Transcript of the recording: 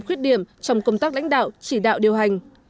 khuyết điểm trong công tác lãnh đạo chỉ đạo điều hành